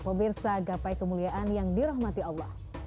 pemirsa gapai kemuliaan yang dirahmati allah